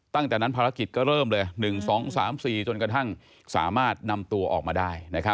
ตั้งแต่นั้นภารกิจก็เริ่มเลย๑๒๓๔จนกระทั่งสามารถนำตัวออกมาได้